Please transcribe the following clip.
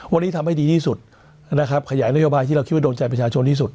วันนี้ทำให้ดีที่สุดนะครับขยายนโยบายที่เราคิดว่าโดนใจประชาชนที่สุด